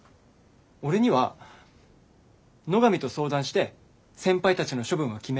俺には「野上と相談して先輩たちの処分は決める。